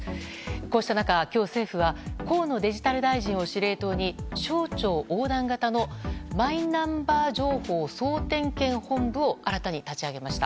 こうした中、今日政府は河野デジタル大臣を司令塔に省庁横断型のマイナンバー情報総点検本部を新たに立ち上げました。